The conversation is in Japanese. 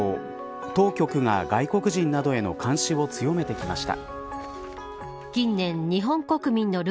当局が外国人などへの監視を強めてきました。